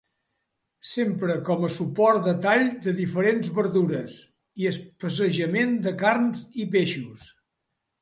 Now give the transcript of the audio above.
S'empra com a suport de tall de diferents verdures i especejament de carns i peixos.